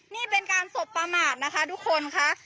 นี่เป็นการสบประมาทนะคะทุกคนค่ะ